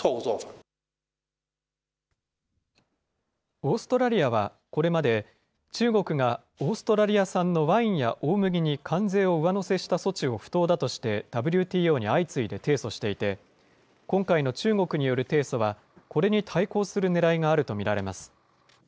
オーストラリアはこれまで、中国がオーストラリア産のワインや大麦に関税を上乗せした措置を不当だとしてＷＴＯに相次いで提訴していて、今回の中国による提訴はこれに対抗するねらいがあると見られます。